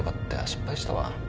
失敗したわ。